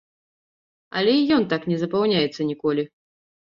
Але і ён так не запаўняецца ніколі!